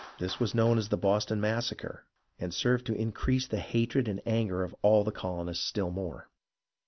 This was known as the Boston Massacre, and served to increase the hatred and anger of all the colonists still more.